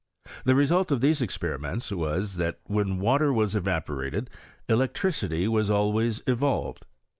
The result of these experiments wa«, that when water was evaporated electricity was always evolved.